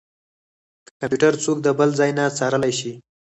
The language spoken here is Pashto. کمپيوټر څوک د بل ځای نه څارلی شي.